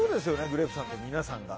グレープさんって皆さんが。